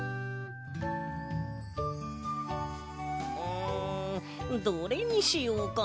んどれにしようかな。